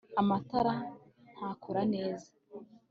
amatara ntakora neza